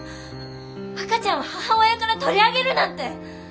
赤ちゃんを母親から取り上げるなんて！